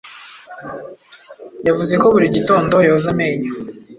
Yavuze ko buri gitondo yoza amenyo.